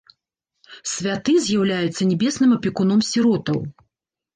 Святы з'яўляецца нябесным апекуном сіротаў.